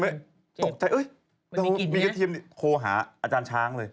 ไม่ก็กินไหมตกใจเอ้ยมีกระเทียมโคหาอาจารย์ช้างเลย